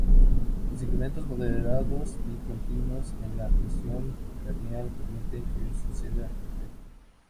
Los incrementos moderados y continuos en la presión craneal permiten que suceda el reflejo.